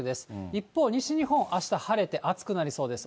一方、西日本、あした晴れて、暑くなりそうです。